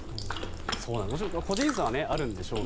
もちろん個人差はあるんでしょうが。